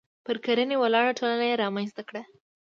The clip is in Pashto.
پر کرنې ولاړه ټولنه یې رامنځته کړه.